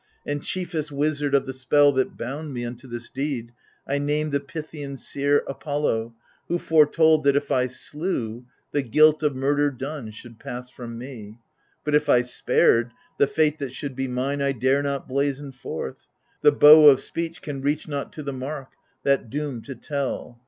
And chiefest wizard of the spell that bound me Unto this deed I name the Pythian seer Apollo, who foretold that if I slew, The guilt of murder done should pass from me ; But if I spared, the fete that should be mine I dare not blazon forth — the bow of speech Can reach not to the mark, that doom to tell.